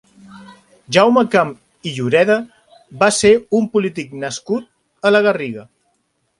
Jaume Camp i Lloreda va ser un polític nascut a la Garriga.